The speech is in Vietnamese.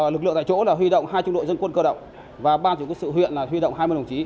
lực lượng tại chỗ đã huy động hai trung đội dân quân cơ động và ban chủ quân sự huyện là huy động hai mươi đồng chí